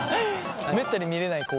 めったに見れない光景。